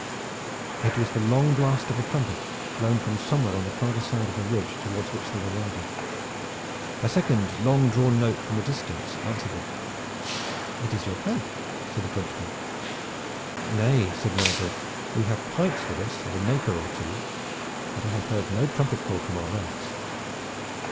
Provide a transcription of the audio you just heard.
It was the long blast of a trumpet blown from somewhere on the farther side of a ridge toward which they were riding. A second long drawn note from a distance answered it. "It is your camp," said the Frenchman. "Nay," said Nigel; "we have pipes with us and a naker or two, but I have heard no trumpet call from our ranks.